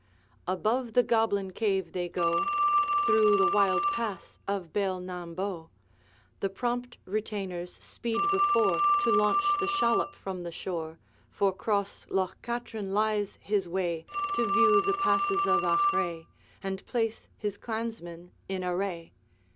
Above the Goblin Cave they go, Through the wild pass of Beal nam bo; The prompt retainers speed before, To launch the shallop from the shore, For 'cross Loch Katrine lies his way To view the passes of Achray, And place his clansmen in array.